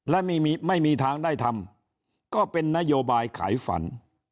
และไม่มีทางได้ทำก็เป็นนโยบายขายฟัน